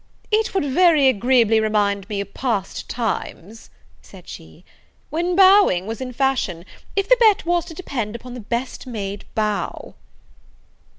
"It would very agreeably remind me of past times," said she, "when bowing was in fashion, if the bet was to depend upon the best made bow."